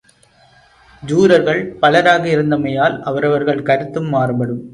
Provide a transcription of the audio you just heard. ஜூரர்கள் பலராக இருந்தமையால், அவரவர்கள் கருத்தும் மாறுபடும்.